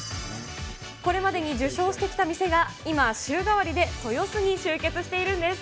これまでに受賞してきた店が今、週替わりで豊洲に集結しているんです。